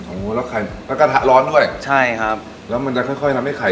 โอ้โหแล้วไข่แล้วกระทะร้อนด้วยใช่ครับแล้วมันจะค่อยค่อยทำให้ไข่